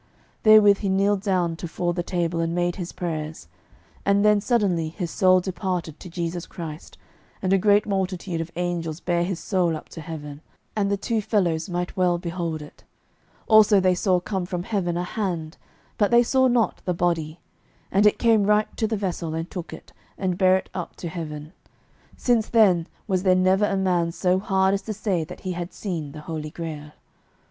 Therewith he kneeled down tofore the table and made his prayers, and then suddenly his soul departed to Jesu Christ, and a great multitude of angels bare his soul up to heaven, and the two fellows might well behold it. Also they saw come from heaven a hand, but they saw not the body; and it came right to the vessel, and took it, and bare it up to heaven. Since then was there never man so hard as to say that he had seen the Holy Grail.